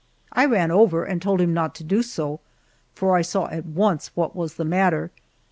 I ran over and told him not to do so, for I saw at once what was the matter.